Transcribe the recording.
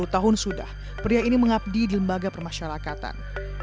sepuluh tahun sudah pria ini mengabdi di lembaga permasyarakatan